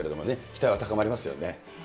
期待は高まりますよね。